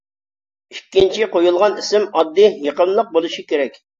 ئىككىنچى، قويۇلغان ئىسىم ئاددىي، يېقىملىق بولۇشى كېرەك.